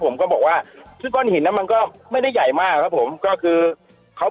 ผมก็บอกว่าคือก้อนหินนั้นมันก็ไม่ได้ใหญ่มากครับผมก็คือเขา